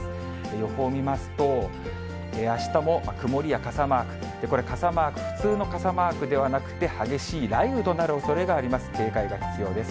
予報見ますと、あしたも曇りや傘マーク、これ、傘マーク、普通の傘マークではなくて、激しい雷雨となるおそれがあります。